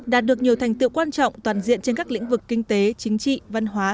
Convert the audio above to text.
đạt được nhiều thành tựu quan trọng toàn diện trên các lĩnh vực kinh tế chính trị văn hóa